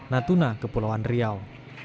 natuna kepulauan riau